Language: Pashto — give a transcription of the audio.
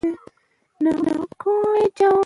زه زحمت خوښوم.